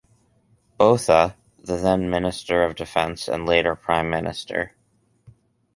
Botha, the then Minister of Defence and later Prime Minister.